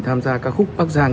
tham gia ca khúc bắc giang